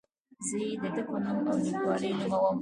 زه یې د ده په نوم او لیکلوالۍ نوموم.